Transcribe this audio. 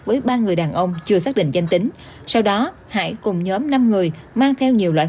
với ba người đàn ông chưa xác định danh tính sau đó hải cùng nhóm năm người mang theo nhiều loại